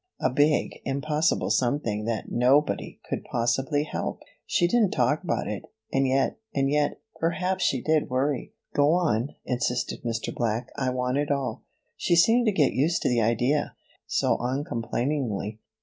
A big, impossible something that nobody could possibly help. She didn't talk about it and yet and yet Perhaps she did worry." "Go on," insisted Mr. Black, "I want it all." "She seemed to get used to the idea so so uncomplainingly.